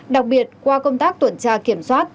đặc biệt qua công tác tuần tra kiểm soát